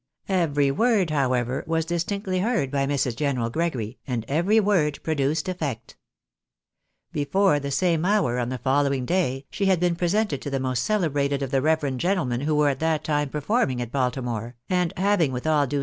Every word, however, was distinctly heard by Mrs. General Gregory, and every word produced effect. Before the same hour on the following day, she had been pre sented to the most celebrated of the reverend gentlemen who were at that time performing at Baltimore, and having with all due 120 THE BAENABYS IN AMEKIUA.